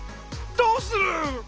どうする？